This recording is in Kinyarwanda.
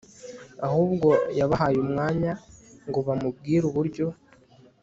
ahubwo yabahaye umwanya ngo bamubwire uburyo